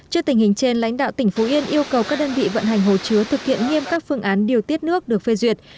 trước tình hình trên lãnh đạo tỉnh phú yên yêu cầu các đơn vị vận hành hồ chứa thực hiện nghiêm các phương án điều tiết nước được phê duyệt